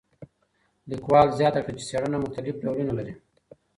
لیکوال زیاته کړه چي څېړنه مختلف ډولونه لري.